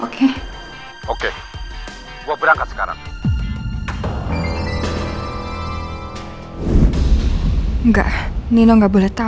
sekarang kamu kesana dan temuin nino